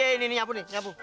ini ini nyambung nyambung